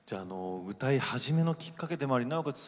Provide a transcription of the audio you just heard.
歌い始めたきっかけでもありなおかつ